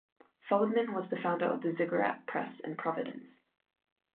Feldman was the founder of the Ziggurat Press in Providence.